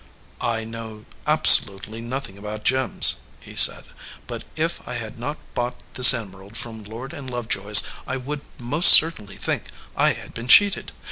"I know absolutely nothing about gems," he said, "but if I had not bought this emerald from Lord & Love joy s I would most certainly think I had been cheated.